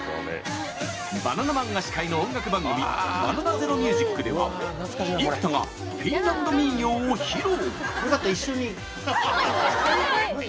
バナナマンが司会の音楽番組「バナナゼロミュージック」では生田がフィンランド民謡を披露。